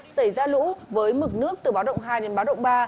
xảy ra lũ với mực nước từ báo động hai đến báo động ba